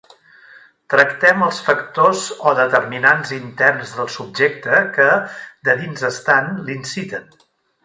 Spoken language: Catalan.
Tractem els factors o determinants interns del subjecte que, de dins estant, l'inciten.